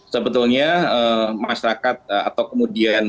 sebetulnya masyarakat atau kemudian